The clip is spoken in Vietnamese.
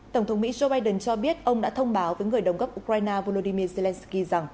tổng thống mỹ joe biden cho biết ông đã thông báo với người đồng cấp ukraine volodymyr zelensky rằng